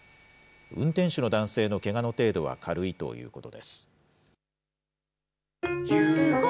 運転手の男性のけがの程度は軽いということです。